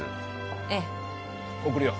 ええ送るよ